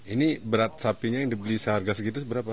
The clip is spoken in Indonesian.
ini berat sapinya yang dibeli seharga segitu berapa